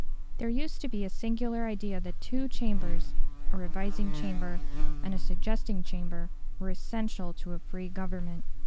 There used to be a singular idea that two chambers a revising chamber and a suggesting chamber were essential to a free Government.